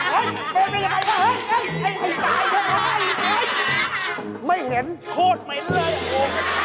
เฮ้ยเป็นอะไรนะเฮ้ยไอ้สายไม่เห็นโคตรเหมือนเลยโอ้โห